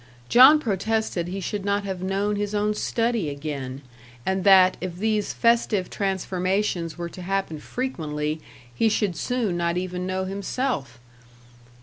John protested he should not have known his own study again; and that, if these festive transformations were to happen frequently he should soon not even know himself!